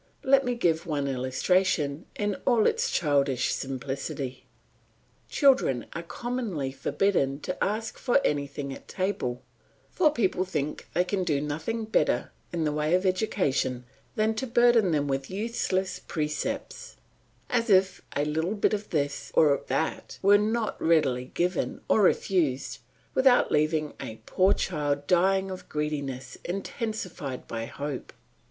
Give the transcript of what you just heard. Let me give one illustration in all its childish simplicity. Children are commonly forbidden to ask for anything at table, for people think they can do nothing better in the way of education than to burden them with useless precepts; as if a little bit of this or that were not readily given or refused without leaving a poor child dying of greediness intensified by hope.